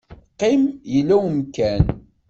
Qqim, yella umkan.